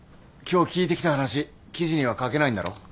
今日聞いてきた話記事には書けないんだろ？